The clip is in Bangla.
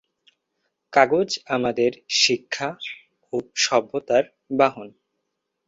কাগজ আমাদের শিক্ষা ও সভ্যতার বাহন।